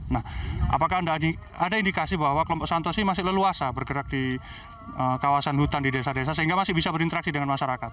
nah apakah ada indikasi bahwa kelompok santosi masih leluasa bergerak di kawasan hutan di desa desa sehingga masih bisa berinteraksi dengan masyarakat